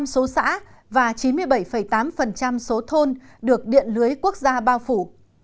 một trăm linh số xã và chín mươi bảy tám số thôn được điện lưới quốc gia bao phủ